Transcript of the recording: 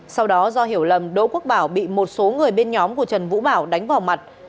sau đó do hiểu lầm đỗ quốc bảo bị một số người bên nhóm của trần vũ bảo đánh vào mặt